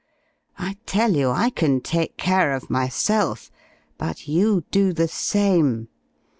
I tell you I can take care of myself, but you do the same.